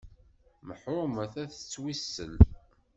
Meḥrumet ad tettwissel.